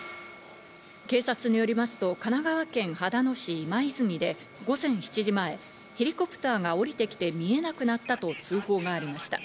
警察によりますと神奈川県秦野市今泉で午前７時前、ヘリコプターがおりてきて見えなくなったと通報がありました。